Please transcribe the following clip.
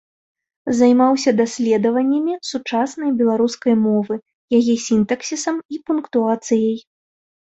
Займаўся даследаваннямі сучаснай беларускай мовы, яе сінтаксісам і пунктуацыяй.